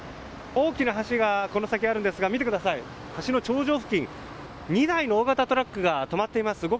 大きな橋がこの先あるんですが見てください、橋の頂上付近２台の大型トラックが止まっています。